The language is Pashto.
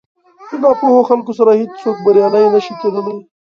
له ناپوهو خلکو سره هېڅ څوک بريالی نه شي کېدلی.